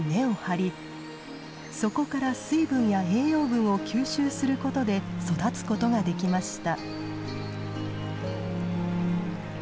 そこから水分や栄養分を吸収することで育つことができました。